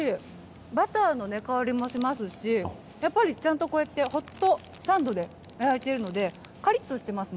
バターの香りもしますし、やっぱりちゃんとこうやってホットサンドで、焼いてるので、かりっとしてますね。